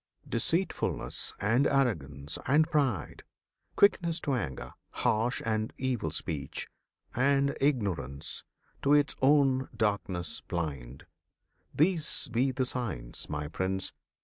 Deceitfulness, and arrogance, and pride, Quickness to anger, harsh and evil speech, And ignorance, to its own darkness blind, These be the signs, My Prince!